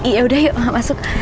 yaudah yuk masuk